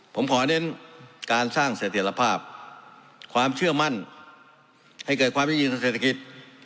ผมขอเน้นการสร้างเสถียรภาพความเชื่อมั่นให้เกิดความยั่งยืนทางเศรษฐกิจ